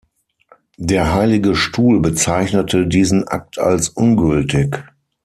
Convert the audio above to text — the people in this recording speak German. Der Heilige Stuhl bezeichnete diesen Akt als ungültig.